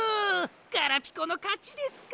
ガラピコのかちですか。